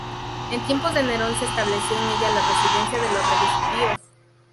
En tiempos de Nerón se estableció en ella la residencia de los reyes judíos.